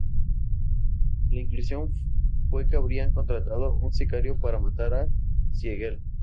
La conclusión fue que habían contratado un sicario para matar a Siegel.